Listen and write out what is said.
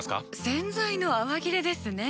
洗剤の泡切れですね。